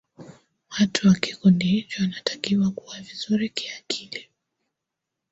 watu wa kikundi hicho wanatakiwa kuwa vizuri kiakili